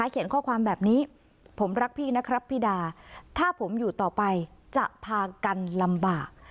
เขียนข้อความแบบนี้ผมรักพี่นะครับพี่ดาถ้าผมอยู่ต่อไปจะพากันลำบาก